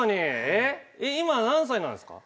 今何歳なんですか？